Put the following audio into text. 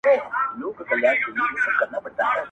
نه هګۍ پرېږدي نه چرګه په کوڅه کي -